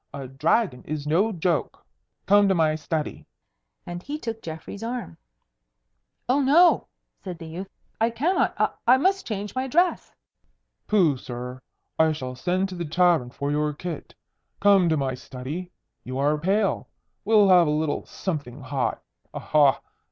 A dragon is no joke. Come to my study." And he took Geoffrey's arm. "Oh, no!" said the youth. "I cannot. I I must change my dress." "Pooh, sir! I shall send to the tavern for your kit. Come to my study. You are pale. We'll have a little something hot. Aha!